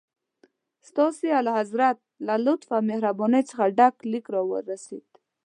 ستاسي اعلیحضرت له لطف او مهربانۍ څخه ډک لیک راورسېد.